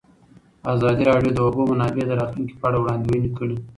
ازادي راډیو د د اوبو منابع د راتلونکې په اړه وړاندوینې کړې.